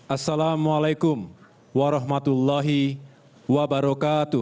assalamu'alaikum warahmatullahi wabarakatuh